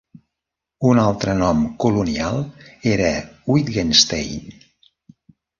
Un altre nom colonial era Wittgenstein.